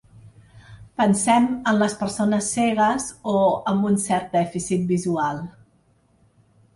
Pensem en les persones cegues o amb un cert dèficit visual.